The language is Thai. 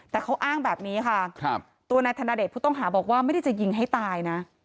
แต่เขาอ้างแบบนี้ค่ะตัวนายธนเดชผู้ต้องหาบอกว่าไม่ได้จะยิงให้ตายนะ